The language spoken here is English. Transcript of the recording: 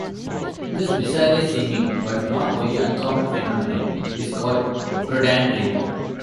This bizarre-seeming, but not very uncommon phenomenon is called protandry.